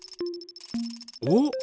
おっ！